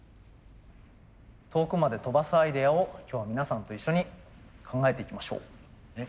遠くまで飛ばすアイデアを今日は皆さんと一緒に考えていきましょう。